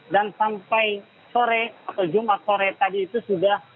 dan sampai sore atau jumat sore tadi itu sudah